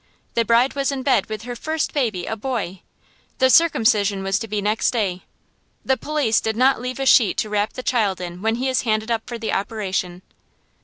The bride was in bed with her first baby, a boy. The circumcision was to be next day. The police did not leave a sheet to wrap the child in when he is handed up for the operation.